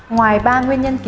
ngoài ba nguyên nhân